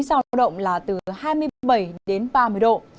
giao động là từ hai mươi bảy đến ba mươi độ